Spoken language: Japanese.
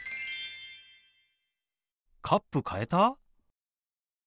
カップ変えた？